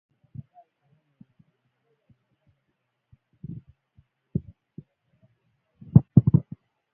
Sehemu hii inaangazia magonjwa yanayodhihirika kwa dalili za ukosefu wa utulivu